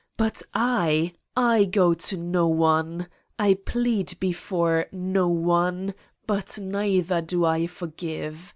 But I, I go to no one. I plead before no one, but neither do I forgive.